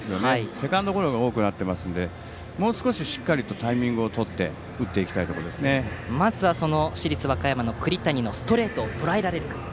セカンドゴロが多くなっていますのでもう少ししっかりとタイミングをとってまずは市立和歌山の栗谷のストレートをとらえられるか。